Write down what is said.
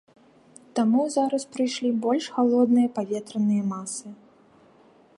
Таму зараз прыйшлі больш халодныя паветраныя масы.